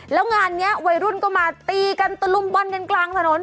แล้วงานนี้วัยรุ่นก็มาตีกันตะลุมบอลกันกลางถนน